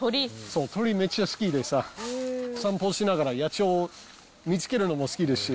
そう、鳥、めっちゃ好きでさ、散歩しながら野鳥を見つけるのも好きですし。